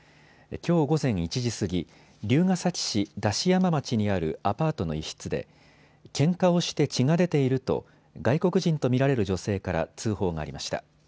きょう午前１時過ぎ、龍ケ崎市出し山町にあるアパートの一室でけんかをして血が出ていると外国人と見られる女性から通報がありました。